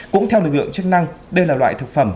cũng theo lực lượng chức năng đây là loại thực phẩm